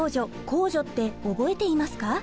公助って覚えていますか？